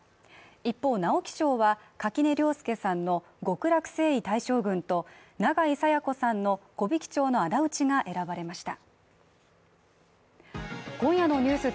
一方直木賞は、垣根涼介さんの「極楽征夷大将軍」と永井紗耶子さんの「木挽町のあだ討ち」が選ばれました。